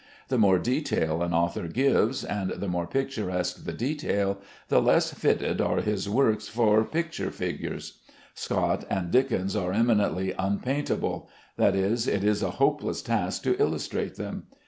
The more detail an author gives, and the more picturesque the detail, the less fitted are his works for figure pictures. Scott and Dickens are eminently unpaintable; that is, it is a hopeless task to illustrate them.